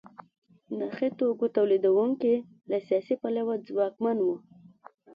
نخي توکو تولیدوونکي له سیاسي پلوه ځواکمن وو.